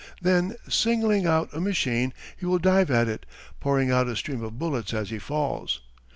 Then singling out a machine he will dive at it, pouring out a stream of bullets as he falls.